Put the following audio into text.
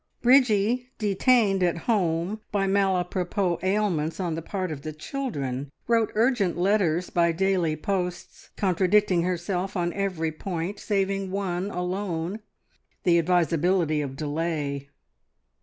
Bridgie, detained at home by malapropos ailments on the part of the children, wrote urgent letters by daily posts, contradicting herself on every point saving one alone the advisability of delay.